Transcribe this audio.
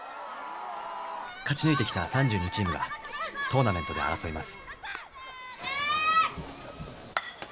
勝ち抜いてきた３２チームがトーナメントで争います。